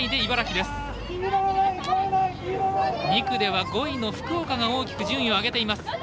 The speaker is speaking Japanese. ２区では５位の福岡が大きく順位を上げています。